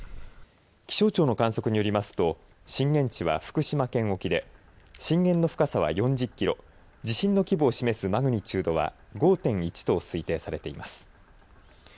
気象庁の観測によりますと震源地は福島県沖で震源の深さは４０キロ、地震の規模を示すマグニチュードは５．１と推定されています。